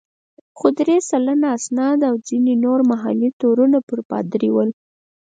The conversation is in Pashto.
خو درې سلنه اسناد او ځینې نور محلي تورونه پر پادري ول.